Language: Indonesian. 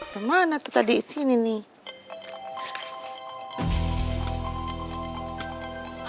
kemana kita di sini nih